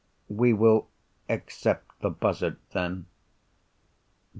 "We will except the buzzard then."